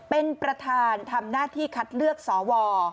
เป็นประธานทำหน้าที่คัดเลือกสว